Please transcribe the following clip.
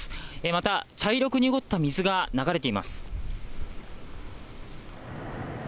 また茶色く濁った水が流れています。